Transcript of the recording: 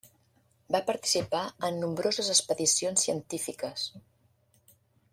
Va participar en nombroses expedicions científiques.